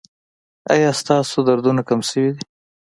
ایا ستاسو دردونه کم شوي دي؟